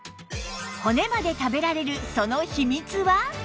骨まで食べられるその秘密は